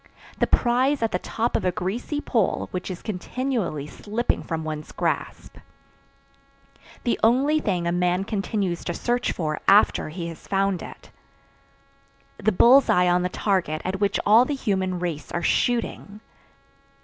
The prize at the top of a greasy pole which is continually slipping from one's grasp. The only thing a man continues to search for after he has found it. The bull's eye on the target at which all the human race are shooting.